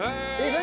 何？